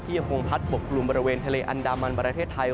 ยังคงพัดปกกลุ่มบริเวณทะเลอันดามันประเทศไทย